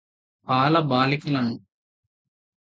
బాల బాలికలను